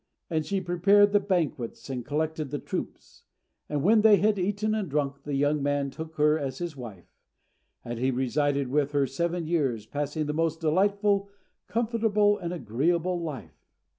And she prepared the banquets and collected the troops; and when they had eaten and drunk, the young man took her as his wife. And he resided with her seven years, passing the most delightful, comfortable, and agreeable life.